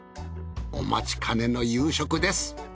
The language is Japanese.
お待ちかねの夕食です。